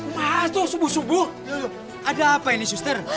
masuk subuh subuh ada apa ini suster